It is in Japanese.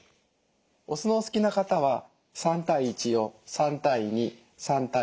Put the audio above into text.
お酢のお好きな方は３対１を３対２３対３。